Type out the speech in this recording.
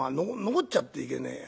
残っちゃっていけねえや」。